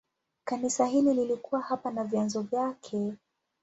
Kanisa hili lilikuwa hapa na vyanzo vyake.